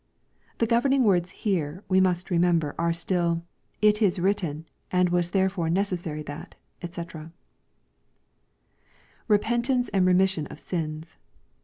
] The governing words here, we must remember, are still, *' it is written, and was therefore necessary that^" &c. [Repentance and remission of sins.